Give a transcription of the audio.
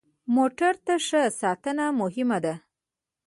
موټر ته ښه ساتنه مهمه ده.